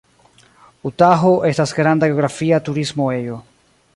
Utaho estas granda geografia turismo ejo.